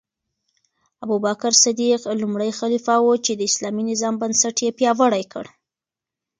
ابوبکر صدیق لومړی خلیفه و چې د اسلامي نظام بنسټ یې پیاوړی کړ.